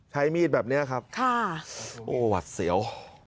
ใช้มีดแบบนี้ครับโอ้วหวัดเสียวโอ้โฮ